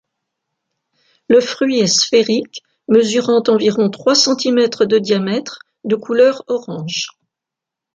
Le fruit est sphérique, mesurant environ trois centimètres de diamètre, de couleur orange.